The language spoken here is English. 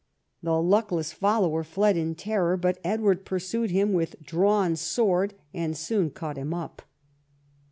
The luckless follower fled in terror, but Edward pursued him with drawn sword, and soon caught him up.